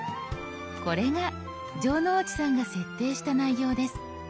これが城之内さんが設定した内容です。